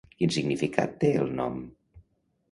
Quin significat té el nom?